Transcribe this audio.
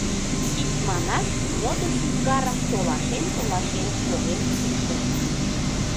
Икманаш, модыш ӱзгарым толашен-толашен поген шуктышым.